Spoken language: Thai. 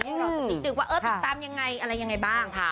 ไว้รอสนิทดึกว่าติดตามอะไรยังไงบ้าง